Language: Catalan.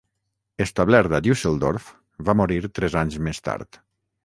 Establert a Düsseldorf, va morir tres anys més tard.